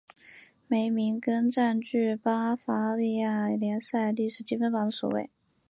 梅明根占据巴伐利亚联赛历史积分榜的首位。